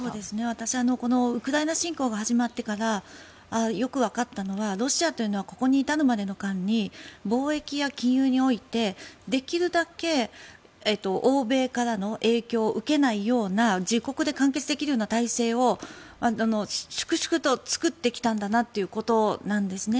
私はウクライナ侵攻が始まってからよく分かったのはロシアというのはここに至るまでの間に貿易や金融においてできるだけ欧米からの影響を受けないような自国で完結できるような体制を粛々と作ってきたんだなということなんですね。